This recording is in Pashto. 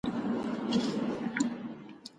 تازه مېوې بدن ته ډېره انرژي او ویټامینونه ورکوي.